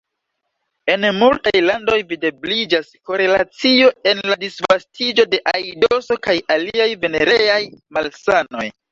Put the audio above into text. En multaj landoj videbliĝas korelacio en la disvastiĝo de aidoso kaj aliaj venereaj malsanoj.